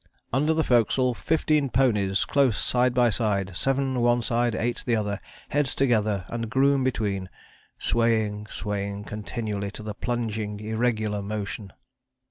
"Under the forecastle fifteen ponies close side by side, seven one side, eight the other, heads together, and groom between swaying, swaying continually to the plunging, irregular motion."